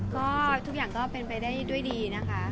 ก็ทุกอย่างก็เป็นไปได้ด้วยดีนะคะ